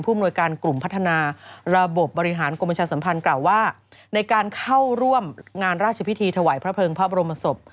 อำนวยการกลุ่มพัฒนาระบบบบริหารกรมประชาสัมพันธ์กล่าวว่าในการเข้าร่วมงานราชพิธีถวายพระเภิงพระบรมศพ